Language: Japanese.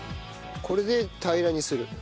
これで平らにする。